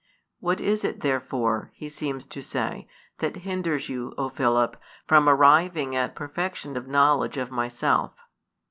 "What is it therefore," He seems to say," that hinders you, O Philip, from arriving at perfection of knowledge of Myself?